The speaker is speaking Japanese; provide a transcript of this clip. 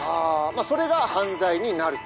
あそれが犯罪になると」。